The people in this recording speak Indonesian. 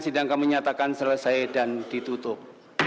sidang kami nyatakan selesai dan ditutup